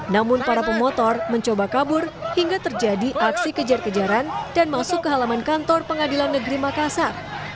namun para pemotor mencoba kabur hingga terjadi aksi kejar kejaran dan masuk ke halaman kantor pengadilan negeri makassar